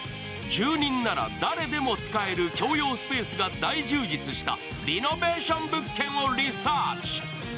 住人なら誰でも使える共用スペースが大充実したリノベーション物件をリサーチ。